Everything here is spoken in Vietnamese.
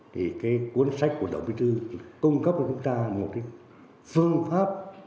thì cái cuốn sách của tổng bí thư cung cấp cho chúng ta một cái phương pháp